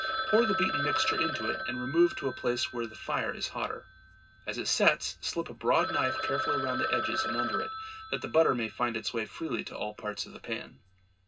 Pour the beaten mixture into it and remove to a place where the fire is hotter. As it "sets," slip a broad knife carefully around the edges and under it, that the butter may find its way freely to all parts of the pan.